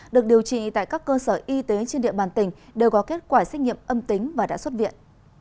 được điều trị tại các cơ sở y tế trên địa bàn tỉnh đều có kết quả xét nghiệm âm tính và đã xuất viện